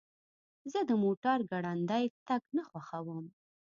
زه د موټر ګړندی تګ نه خوښوم.